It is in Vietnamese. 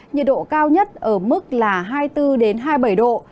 nhiệt độ cao nhất ở mức là hai mươi bốn hai mươi bảy độ